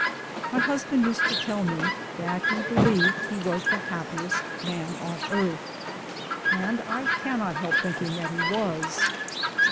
My husband used to tell me that he believed he was the happiest man on earth, and I cannot help thinking that he was.